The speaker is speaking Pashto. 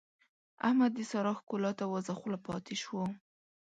احمد د سارا ښکلا ته وازه خوله پاته شو.